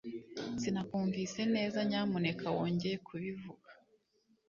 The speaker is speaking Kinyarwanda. Sinakumvise neza. Nyamuneka wongeye kubivuga?